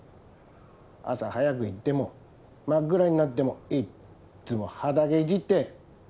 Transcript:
朝早く行っても真っ暗になってもいっつも畑いじって。